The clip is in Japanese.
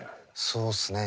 そうっすね。